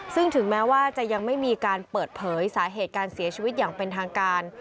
ซึ่งถึงแม้ว่าจะยังไม่มีการเปิดเผยสาเหตุการเสียชีวิตอย่างเป็นทางการ